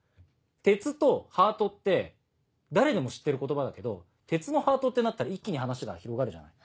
「鉄」と「ハート」って誰でも知ってる言葉だけど「鉄のハート」ってなったら一気に話が広がるじゃない？